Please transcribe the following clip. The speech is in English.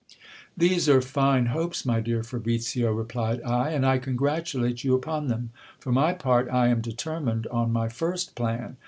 These are fine hopes, my dear Fabricio, replied I \ and I congratulate you upon them. For my part, I am determined on my first plan.